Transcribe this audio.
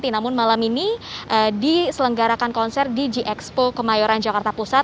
namun malam ini diselenggarakan konser di gxpo kemayoran jakarta pusat